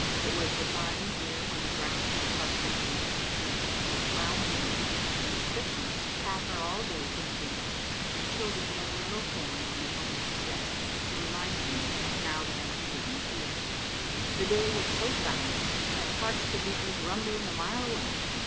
It was the time of year when the ground is car* peted beneath the firs with brown needles, when split nuts patter all day from the beech, and children lay yellow com on the dominie's desk to remind him that now they are needed in the fields. The day was so silent that carts could be heard rumbling a mile away.